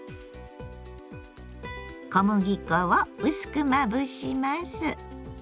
小麦粉を薄くまぶします。